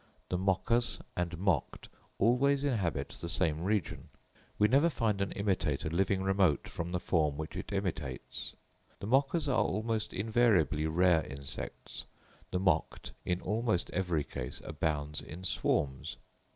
The mockers and mocked always inhabit the same region; we never find an imitator living remote from the form which it imitates. The mockers are almost invariably rare insects; the mocked in almost every case abounds in swarms.